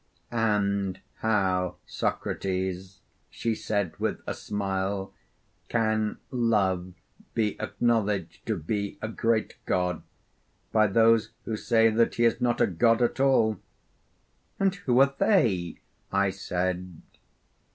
'And how, Socrates,' she said with a smile, 'can Love be acknowledged to be a great god by those who say that he is not a god at all?' 'And who are they?' I said.